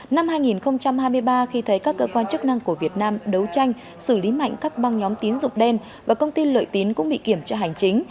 năm hai nghìn hai mươi ba khi thấy các cơ quan chức năng của việt nam đấu tranh xử lý mạnh các băng nhóm tín dụng đen và công ty lợi tín cũng bị kiểm tra hành chính